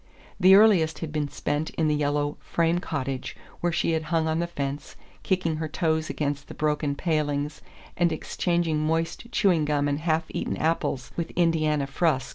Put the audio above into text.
The earliest had been spent in the yellow "frame" cottage where she had hung on the fence, kicking her toes against the broken palings and exchanging moist chewing gum and half eaten apples with Indiana Frusk.